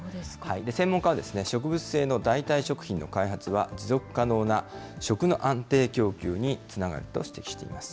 専門家は、植物性の代替食品の開発は、持続可能な食の安定供給につながると指摘しています。